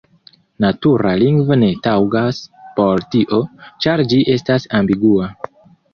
Natura lingvo ne taŭgas por tio, ĉar ĝi estas ambigua.